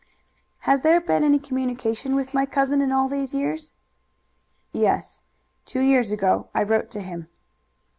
"Has there been any communication with my cousin in all these years?" "Yes; two years ago I wrote to him."